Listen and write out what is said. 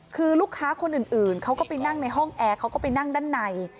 คือลูกค้าคนอื่นเขาก็ไปนั่งในห้องแอร์เขาก็ไปนั่งด้านใน